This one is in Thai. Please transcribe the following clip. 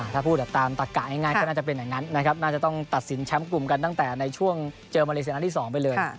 ถ้าพูดแบบตามตักกะง่ายก็น่าจะเป็นอย่างนั้นนะครับน่าจะต้องตัดสินแชมป์กลุ่มกันตั้งแต่ในช่วงเจอมาเลเซียนัดที่๒ไปเลย